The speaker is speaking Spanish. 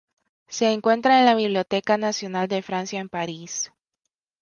Se encuentra en la Biblioteca Nacional de Francia en París.